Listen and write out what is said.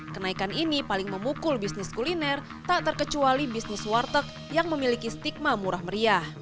kenaikan ini paling memukul bisnis kuliner tak terkecuali bisnis warteg yang memiliki stigma murah meriah